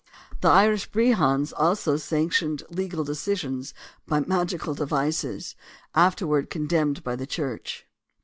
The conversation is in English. The Irish Brehons also sanctioned legal decisions by magical devices, afterward con demned by the Church.